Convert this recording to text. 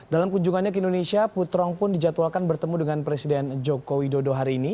dalam kunjungannya ke indonesia putrong pun dijadwalkan bertemu dengan presiden joko widodo hari ini